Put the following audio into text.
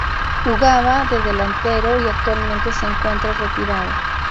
Jugaba de delantero y actualmente se encuentra retirado.